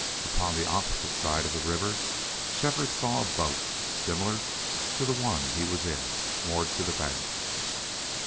Upon the opposite side of the river Shefford saw a boat, similar to the one he was in, moored to the bank.